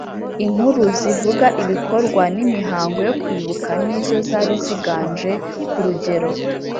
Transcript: Inkuru zivuga ibikorwa n imihango yo kwibuka ni zo zari ziganje ku rugero